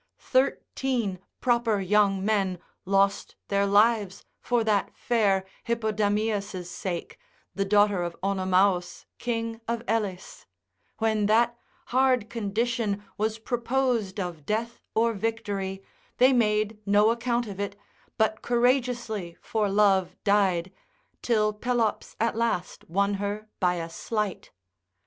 Thirteen proper young men lost their lives for that fair Hippodamias' sake, the daughter of Onomaus, king of Elis: when that hard condition was proposed of death or victory, they made no account of it, but courageously for love died, till Pelops at last won her by a sleight.